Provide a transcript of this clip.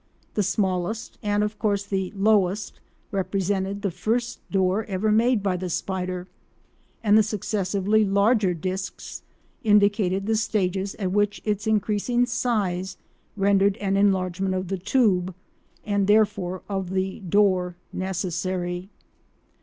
The smallest—and of course the lowest—represented the first door ever made by the spider, and the successively larger discs indicated the stages at which its increasing size rendered an enlargement of the tube—and therefore of the door—necessary.